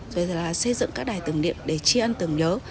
rồi là xây dựng các đài tưởng niệm để tri ân tưởng nhớ